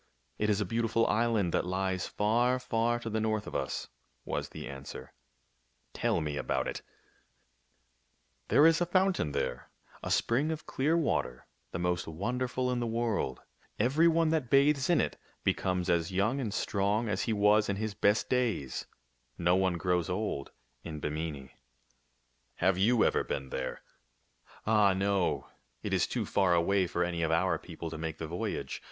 It is a beautiful island that lies far, far to the north of us," was the answer. " Tell me about it." 26 THIRTY MORE FAMOUS STORIES " There is a fountain there, a spring of clear water, the most wonderful in the world. Every one that bathes in it becomes as young and strong as he was in his best days. No one grows old in Bimini." " Have you ever been there ?"" Ah, no. It is too far away for any of our peo ple to make the voyage.